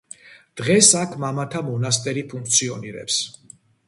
დღეს აქ მამათა მონასტერი ფუნქციონირებს.